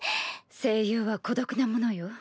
声優は孤独なものよ。